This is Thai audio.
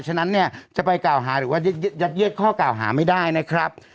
ฉะนั้นเนี่ยจะไปกล่าวหาหรือว่ายัดเย็ดข้อกล่าวหาไม่ได้นะครับ